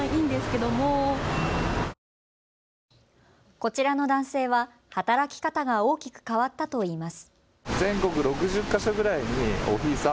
こちらの男性は働き方が大きく変わったといいます。